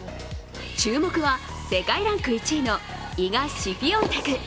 注目は世界ランク１位のイガ・シフィオンテク。